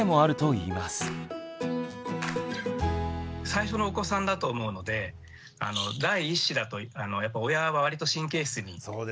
最初のお子さんだと思うので第一子だとやっぱ親は割と神経質になるんですね。